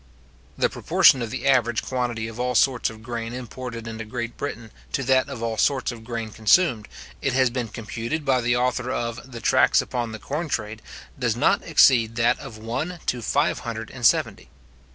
The proportion of the average quantity of all sorts of grain imported into Great Britain to that of all sorts of grain consumed, it has been computed by the author of the Tracts upon the Corn Trade, does not exceed that of one to five hundred and seventy.